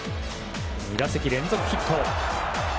２打席連続ヒット。